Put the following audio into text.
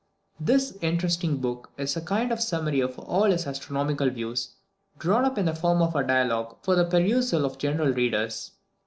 This interesting work is a kind of summary of all his astronomical views, drawn up in the form of a dialogue for the perusal of general readers.